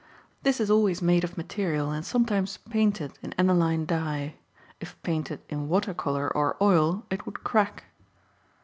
This is always made of material and sometimes painted in aniline dye; if painted in water color or oil it would crack.